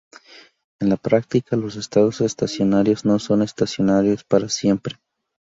En la práctica, los estados estacionarios no son "estacionarios" para siempre.